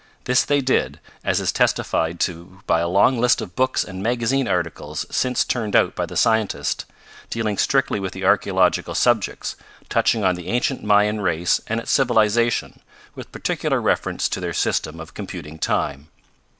This they did, as is testified to by a long list of books and magazine articles since turned out by the scientist, dealing strictly with archaeological subjects, touching on the ancient Mayan race and its civilization, with particular reference to their system of computing time.